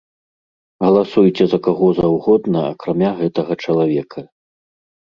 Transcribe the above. Галасуйце за каго заўгодна акрамя гэтага чалавека.